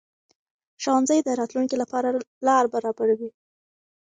ښوونځی د راتلونکي لپاره لار برابروي